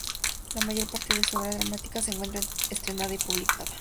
La mayor parte de su obra dramática se encuentra estrenada y publicada.